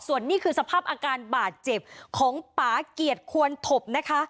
ส่วนนี้คือสภาพอาการบาดเจ็บของป่าเกียรติควรถบนะคะ